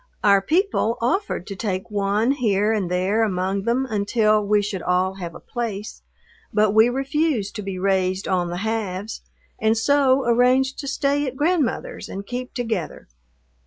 Our people offered to take one here and there among them until we should all have a place, but we refused to be raised on the halves and so arranged to stay at Grandmother's and keep together.